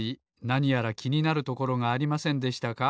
なにやらきになるところがありませんでしたか？